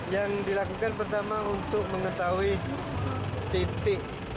yang dilakukan pertama untuk mengetahui titik